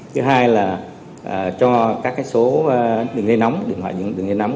thứ hai là cho các số đường dây nóng đường ngoài đường dây nóng